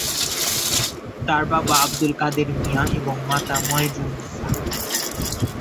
তার বাবা আব্দুল কাদের মিয়া এবং মাতা ময়েজুন্নেসা।